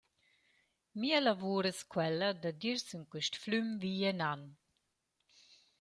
Mia lavur es quella dad ir sün quist flüm vi e nan.